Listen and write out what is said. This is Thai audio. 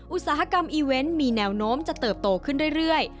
อุตสาหกรรมอีเวนต์มีแนวโน้มจะเติบโตขึ้นเรื่อย